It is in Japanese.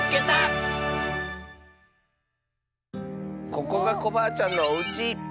ここがコバアちゃんのおうち！